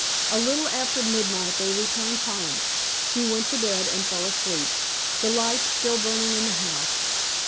"A little after midnight they returned home. She went to bed and fell asleep, the lights still burning in the house.